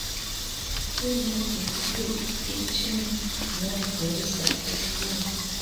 He made a few etchings, not very successfully.